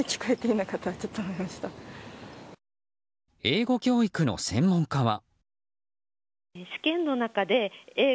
英語教育の専門家は。